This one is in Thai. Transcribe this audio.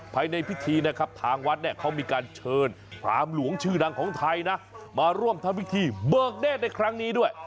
ภายในพิธีนะครับทางวัดเนี่ยเขามีการเชิญพรามหลวงชื่อดังของไทยนะมาร่วมทำพิธีเบิกเนธในครั้งนี้ด้วย